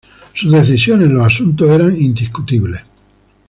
Sus decisiones en los asuntos eran indiscutibles.